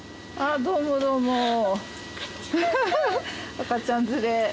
赤ちゃん連れ。